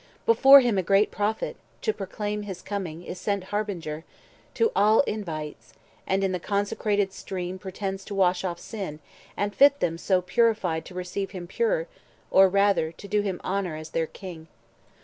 Before him a great Prophet, to proclaim 70 His coming, is sent harbinger, who all Invites, and in the consecrated stream Pretends to wash off sin, and fit them so Purified to receive him pure, or rather To do him honour as their King.